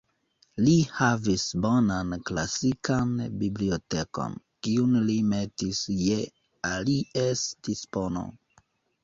Li havis bonan klasikan bibliotekon, kiun li metis je alies dispono.